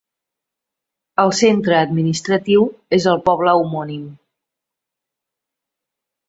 El centre administratiu és el poble homònim.